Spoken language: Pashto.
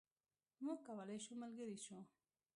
موږ کولای شو ملګري شو.